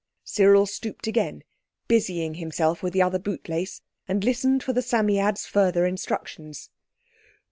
Cyril stooped again, busying himself with the other bootlace and listened for the Psammead's further instructions.